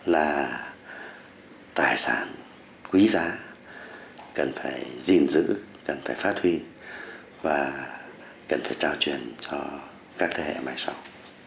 là tài sản quý giá cần phải gìn giữ cần phải phát huy và cần phải trao truyền cho các thế hệ mai sau